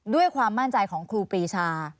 ด้วยความมั่นใจของครูปรีชา